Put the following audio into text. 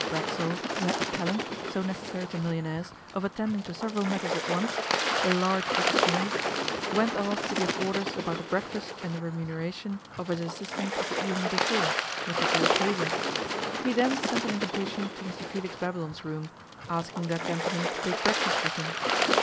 Racksole, who had the talent, so necessary to millionaires, of attending to several matters at once, the large with the small, went off to give orders about the breakfast and the remuneration of his assistant of the evening before, Mr George Hazell. He then sent an invitation to Mr Felix Babylon's room, asking that gentleman to take breakfast with him.